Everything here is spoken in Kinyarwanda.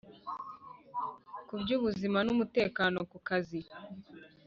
Ku by ubuzima n umutekano ku kazi